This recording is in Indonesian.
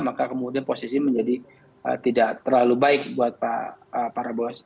maka kemudian posisi menjadi tidak terlalu baik buat pak prabowo